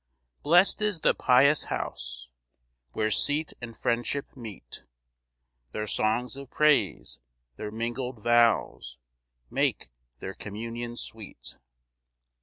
2 Blest is the pious house Where seat and friendship meet, Their songs of praise, their mingled vows Make their communion sweet.